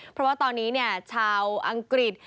เพราะว่าตอนนี้ชาวอังกฤษ